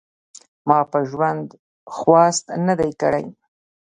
ما په ژوند خواست نه دی کړی .